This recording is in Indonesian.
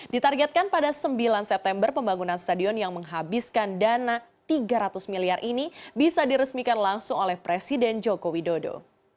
ditargetkan pada sembilan september pembangunan stadion yang menghabiskan dana tiga ratus miliar ini bisa diresmikan langsung oleh presiden joko widodo